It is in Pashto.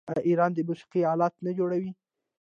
آیا ایران د موسیقۍ الات نه جوړوي؟